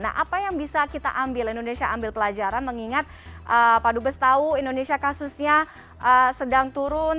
nah apa yang bisa kita ambil indonesia ambil pelajaran mengingat pak dubes tahu indonesia kasusnya sedang turun